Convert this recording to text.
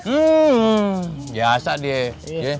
hmm biasa deh